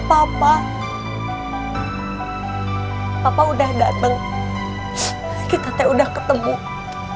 tapi apa yang beliau pandang itu sekarang pula